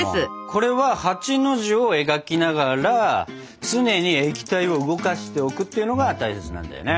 これは８の字を描きながら常に液体を動かしておくっていうのが大切なんだよね。